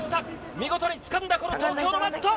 見事につかんだこの東京のマット。